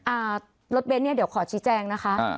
อ่ารถเบ้นเนี่ยเดี๋ยวขอชี้แจงนะคะอ่า